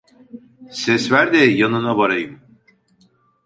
Ses ver de yanına varayım!